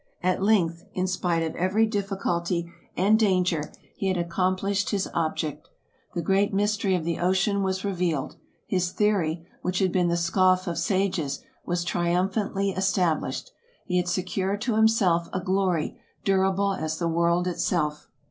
At length, in spite of every difficulty and danger, he had accomplished his object. The great mystery of the ocean was revealed; his theory, which had been the scoff of sages, was triumph antly established; he had secured to himself a glory durable as the world itself.